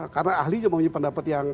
karena ahli punya pendapat yang